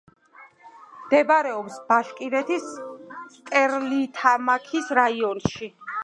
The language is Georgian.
მდებარეობს ბაშკირეთის სტერლითამაქის რაიონში.